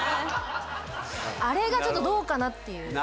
あれがちょっとどうかなっていう。